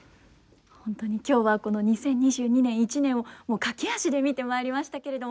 本当に今日はこの２０２２年一年を駆け足で見てまいりましたけれども。